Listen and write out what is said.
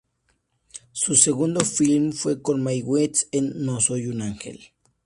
Su segundo film fue con Mae West en "No soy un ángel".